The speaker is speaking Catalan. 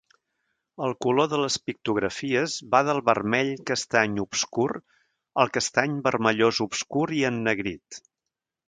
El color de les pictografies va del vermell-castany obscur al castany-vermellós obscur i ennegrit.